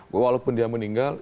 walaupun dia meninggal